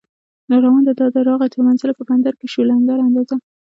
راروان دی دا دی راغی تر منزله، په بندر کې شو لنګر اندازه